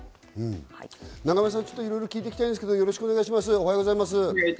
いろいろ聞いていきたいんですが、よろしくお願いします。